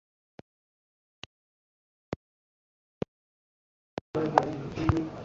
Umushinga Bye Bye Nyakatsi Diaspora